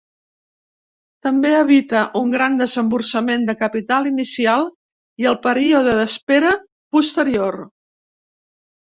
També evita un gran desemborsament de capital inicial i el període d'espera posterior.